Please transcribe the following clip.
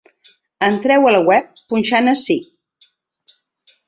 Entreu a la web punxant ací.